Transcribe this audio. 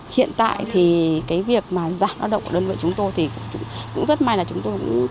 hiện tại thì cái việc mà giảm lao động của đơn vị chúng tôi thì cũng rất may là chúng tôi cũng